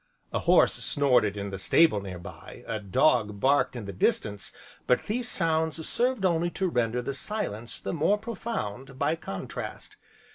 A horse snorted in the stable nearby, a dog barked in the distance, but these sounds served only to render the silence the more profound, by contrast.